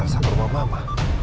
elsa ke rumah mama